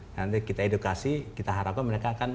nanti kita edukasi kita harapkan mereka akan